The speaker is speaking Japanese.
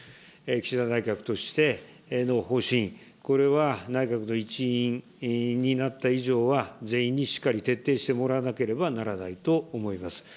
岸田内閣としての方針、これは内閣の一員になった以上は、全員にしっかり徹底してもらわなければならないと思います。